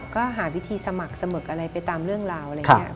ก็หาวิธีสมัครสมัครอะไรไปตามเรื่องราวอะไรอย่างนี้